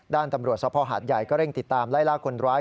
ด้านตำรวจสภหาดใหญ่ก็เร่งติดตามไล่ล่าคนร้าย